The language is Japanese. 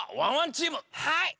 はい！